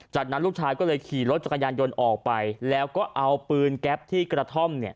จากนั้นลูกชายก็เลยขี่รถจักรยานยนต์ออกไปแล้วก็เอาปืนแก๊ปที่กระท่อม